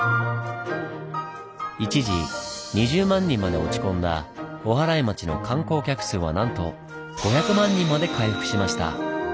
一時２０万人まで落ち込んだおはらい町の観光客数はなんと５００万人まで回復しました。